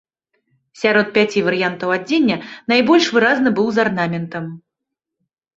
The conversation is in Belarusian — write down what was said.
Сярод пяці варыянтаў адзення найбольш выразны быў з арнаментам.